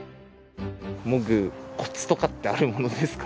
もぐコツとかってあるものですか？